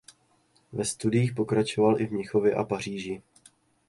Ve studiích pokračoval v Mnichově a Paříži.